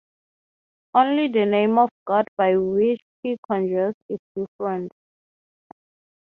Only the name of the god by which he conjures is different.